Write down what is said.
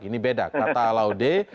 ini beda kata laude